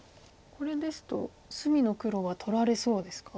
これですと隅の黒は取られそうですか？